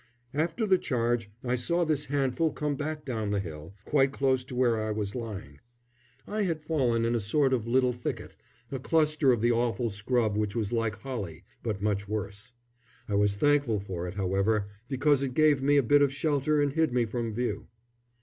After the charge I saw this handful come back down the hill, quite close to where I was lying. I had fallen in a sort of little thicket, a cluster of the awful scrub which was like holly, but much worse. I was thankful for it, however, because it gave me a bit of shelter and hid me from view.